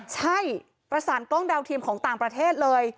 ใช่ประสานกล้องดาวเทียมของต่างประเทศเลย